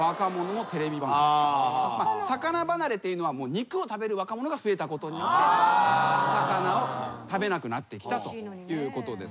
魚離れというのは肉を食べる若者が増えたことによって魚を食べなくなってきたということですね。